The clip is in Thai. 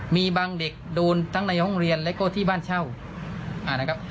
มีบางเด็กโดนทั้งในห้องเรียนและก็ที่บ้านเช่านะครับ